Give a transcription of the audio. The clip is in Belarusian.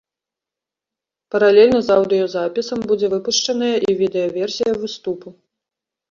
Паралельна з аўдыёзапісам будзе выпушчаная і відэа-версія выступу.